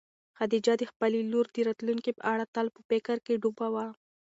خدیجه د خپلې لور د راتلونکي په اړه تل په فکر کې ډوبه وه.